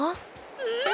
うん！